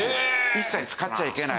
一切使っちゃいけない。